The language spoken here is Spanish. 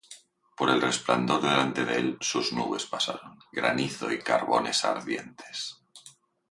Por el resplandor delante de él, sus nubes pasaron; Granizo y carbones ardientes.